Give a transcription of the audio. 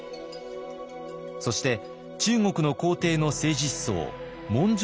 そして中国の皇帝の政治思想文章